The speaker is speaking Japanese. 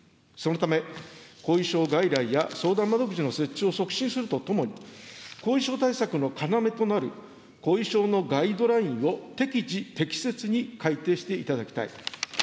そのため、後遺症外来や相談窓口の設置を促進するとともに、後遺症対策の要となる後遺症のガイドラインを適時、適切に改定していただきたい。